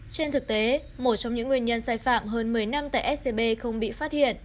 trên thực tế một trong những nguyên nhân sai phạm hơn một mươi năm tại scb không bị phát hiện